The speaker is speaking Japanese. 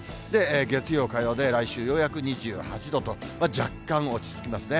月曜、火曜で来週ようやく２８度と、若干落ち着きますね。